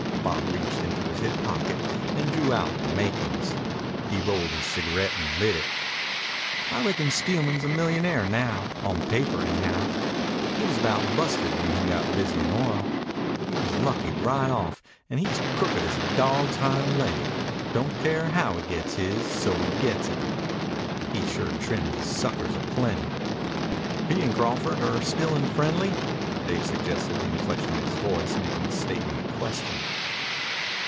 Bob reached into his hip pocket and drew out "the makings." He rolled his cigarette and lit it. "I reckon Steelman's a millionaire now on paper, anyhow. He was about busted when he got busy in oil. He was lucky right off, and he's crooked as a dawg's hind laig don't care how he gets his, so he gets it. He sure trimmed the suckers a plenty." "He and Crawford are still unfriendly," Dave suggested, the inflection of his voice making the statement a question.